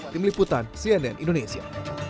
tim liputan cnn indonesia